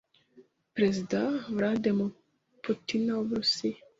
Perezida Vladimir Putin w'Uburusiya